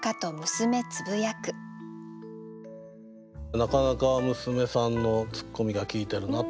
なかなか娘さんのツッコミが効いてるなと。